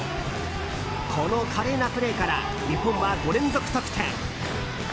この華麗なプレーから日本は５連続得点。